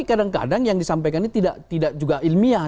kadang kadang yang disampaikan ini tidak juga ilmiah